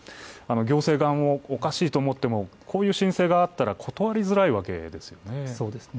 行政側もおかしいと思ってもこういう申請があったら断りづらいわけですよね。